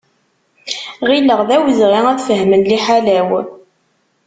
Ɣilleɣ d awezɣi ad fehmen liḥala-w.